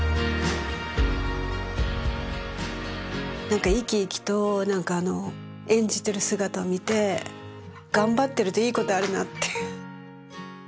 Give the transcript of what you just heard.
何か生き生きと何かあの演じてる姿を見て頑張ってるといいことあるなって。